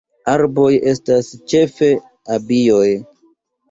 Arboj estas ĉefe abioj.